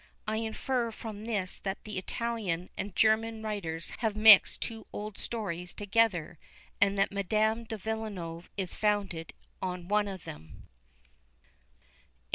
I infer from this that the Italian and German writers have mixed two old stories together, and that Madame de Villeneuve's is founded on one of them.